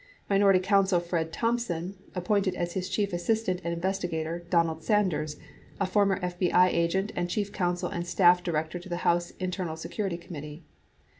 Minority Counsel Fred Thomp son appointed as his chief assistant and investigator Donald Sanders, a former FBI agent and chief counsel and staff director to the House Internal Security Committee.